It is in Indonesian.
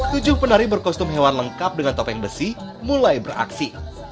tujuh penari berkostum hewan lengkap dengan topeng besi mulai beraksi